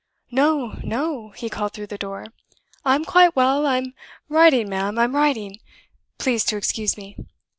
"No! no!" he called through the door. "I'm quite well I'm writing, ma'am, I'm writing please to excuse me.